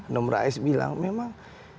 nom rais bilang memang